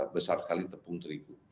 besar sekali tepung terigu